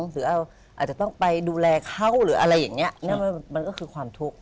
หรืออาจจะต้องไปดูแลเขาหรืออะไรอย่างนี้มันก็คือความทุกข์